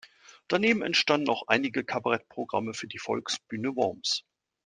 Daneben entstanden auch einige Kabarettprogramme für die Volksbühne Worms.